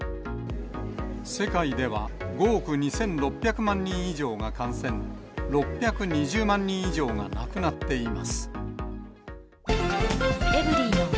世界では、５億２６００万人以上が感染、６２０万人以上が亡くなっています。